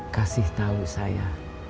kasih tahu saya